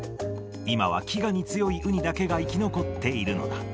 今は飢餓に強いウニだけが生き残っているのだ。